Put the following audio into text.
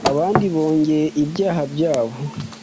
abandi bongera ibyaha byabo.